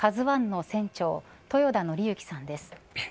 ＫＡＺＵＩの船長豊田徳幸さんです。